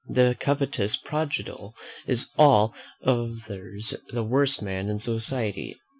The covetous prodigal is of all others the worst man in society.